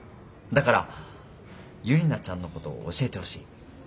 だからユリナちゃんのことを教えてほしい。